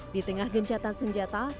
di tengah gencatan senjata